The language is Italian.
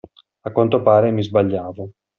A quanto pare, mi sbagliavo.